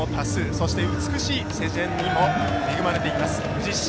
そして、美しい自然にも恵まれています、宇治市。